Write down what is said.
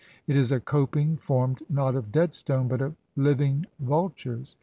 It is a coping formed, not of dead stone, but of living vul tures.